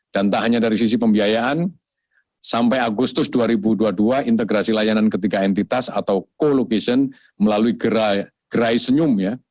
dan tak hanya dari sisi pembiayaan sampai agustus dua ribu dua puluh dua integrasi layanan ketiga entitas atau co location melalui gerai senyum